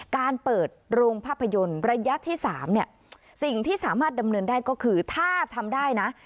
การเปิดโรงภาพยนตร์ระยะที่๓เนี่ยสิ่งที่สามารถดำเนินได้ก็คือถ้าทำได้นะ